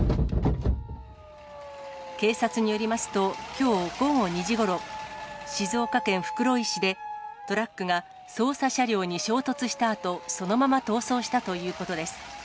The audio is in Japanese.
警察によりますと、きょう午後２時ごろ、静岡県袋井市で、トラックが捜査車両に衝突したあと、そのまま逃走したということです。